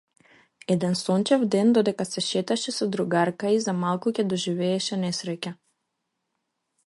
Еден сончев ден, додека се шеташе со другарка ѝ, за малку ќе доживееше несреќа.